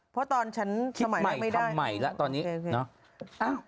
เพราะตอนฉันทำใหม่แล้วไม่ได้